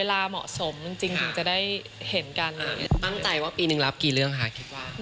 ตั้งใจว่าปีนึงรับกี่เรื่องค่ะ